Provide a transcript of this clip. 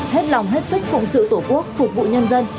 hết lòng hết sức phụng sự tổ quốc phục vụ nhân dân